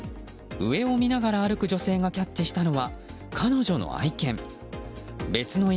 上を見ながら歩く女性がキャッチしたのは彼女の愛犬。